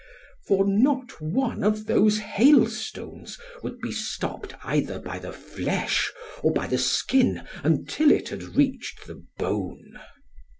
For not one of those hailstones would be stopped either by the flesh, or by the skin, until it had reached the bone.